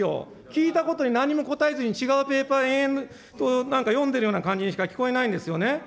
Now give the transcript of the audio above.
聞いたことになんにも答えずに違うペーパー、延々、なんか読んでいるような感じにしか聞こえないんですよね。